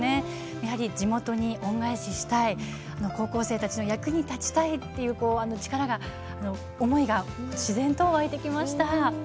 やはり地元に恩返ししたい高校生たちの役に立ちたいという力、思いが自然と湧いてきました。